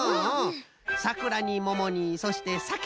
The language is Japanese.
さくらにももにそしてさけ。